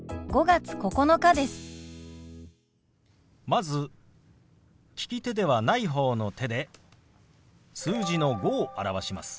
まず利き手ではない方の手で数字の「５」を表します。